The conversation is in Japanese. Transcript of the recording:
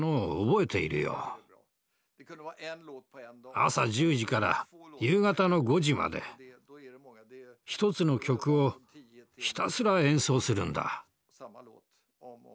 朝１０時から夕方の５時まで１つの曲をひたすら演奏するんだ。